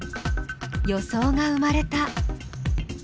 予想が生まれた。